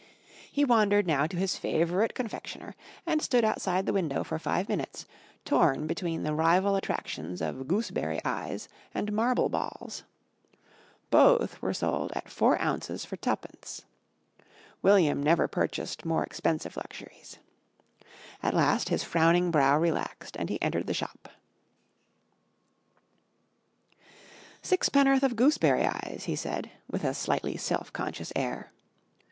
He wandered now to his favourite confectioner and stood outside the window for five minutes, torn between the rival attractions of Gooseberry Eyes and Marble Balls. Both were sold at 4 ounces for 2d. William never purchased more expensive luxuries. At last his frowning brow relaxed and he entered the shop. "Sixpennoth of Gooseberry Eyes," he said, with a slightly self conscious air.